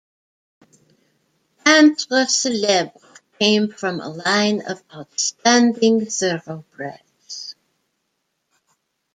Peintre Celebre came from a line of outstanding thoroughbreds.